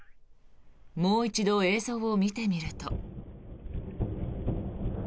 もう一度映像を見てみると。